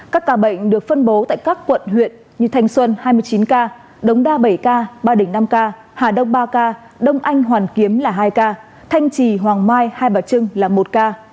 các ca bệnh được phân bố tại các quận huyện như thanh xuân hai mươi chín ca đống đa bảy k ba đỉnh năm ca hà đông ba ca đông anh hoàn kiếm là hai ca thanh trì hoàng mai hai bà trưng là một ca